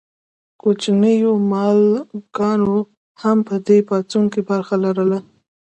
کوچنیو مالکانو هم په دې پاڅون کې برخه لرله.